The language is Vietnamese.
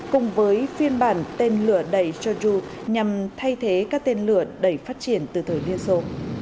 cùng với phiên bản tên lửa đẩy joju nhằm thay thế các tên lửa đẩy phát triển từ thời liên xô